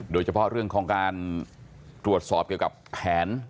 โดยเฉพาะเรื่องของการตรวจสอบเกี่ยวกับแผน